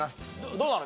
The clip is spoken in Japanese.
どうなの？